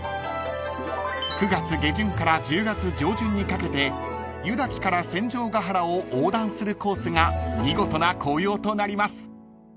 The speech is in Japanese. ［９月下旬から１０月上旬にかけて湯滝から戦場ヶ原を横断するコースが見事な紅葉となります］